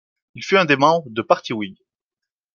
Il fut un des membres de parti Whig.